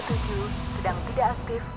sedang tidak aktif